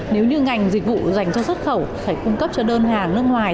nếu như ngành dịch vụ dành cho xuất khẩu phải cung cấp cho đơn hàng nước ngoài